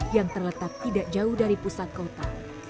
yang terletak tidak jauh dari pusat kota